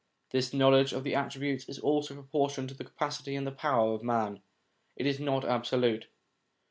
This knowledge of the attributes is also proportioned to the capacity and power of man ; it is not absolute.